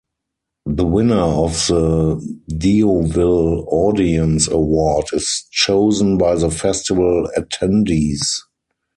The winner of the Deauville Audience Award is chosen by the festival attendees.